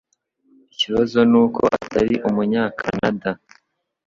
Ikibazo nuko utari umunyakanada.